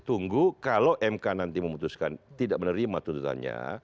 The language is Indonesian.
tunggu kalau mk nanti memutuskan tidak menerima tuntutannya